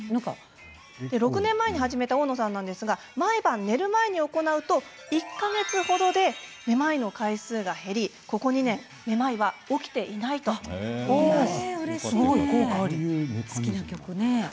６年前に始めた大野さんなんですが毎晩寝る前に行うと１か月ほどでめまいの回数が減りここ２年めまいは起きていないといいます。